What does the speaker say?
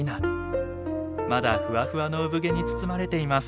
まだフワフワの産毛に包まれています。